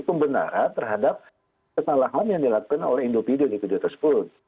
pembenaran terhadap kesalahan yang dilakukan oleh individu di video tersebut